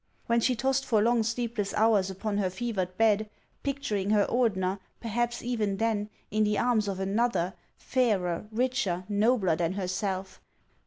When she tossed for long sleepless hours upon her fevered bed, picturing her Ordener, perhaps even then, in the arms of another, fairer, richer, nobler than herself